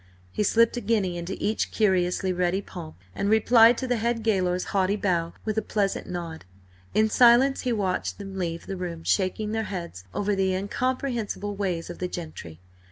He slipped a guinea into each curiously ready palm, and replied to the head gaoler's haughty bow with a pleasant nod. In silence he watched them leave the room shaking their heads over the incomprehensible ways of the gentry.